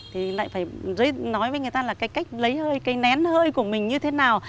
thì lại phải nói với người ta là cái cách lấy cái nén hơi của mình như thế nào